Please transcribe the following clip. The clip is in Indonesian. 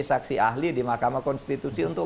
saksi ahli di mahkamah konstitusi untuk